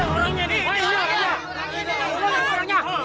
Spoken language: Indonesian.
nah ini dia orangnya nih